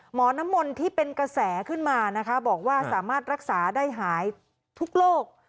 หมอน้ำมนต์ที่เป็นกระแสขึ้นมานะคะบอกว่าสามารถรักษาได้หายทุกโรค